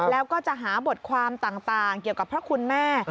แล้วก็จะหาบทความต่างเกี่ยวกับพระคุณแม่